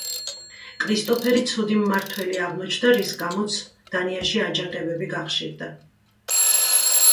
კრისტოფერი ცუდი მმართველი აღმოჩნდა, რის გამოც დანიაში აჯანყებები გახშირდა.